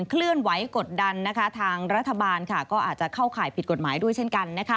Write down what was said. เคลื่อนไหวกดดันทางรัฐบาลก็อาจจะเข้าข่ายผิดกฎหมายด้วยเช่นกัน